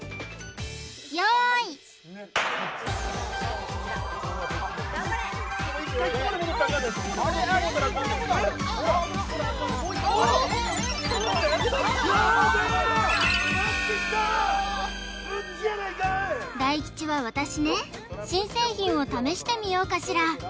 用意大吉は私ね新製品を試してみようかしら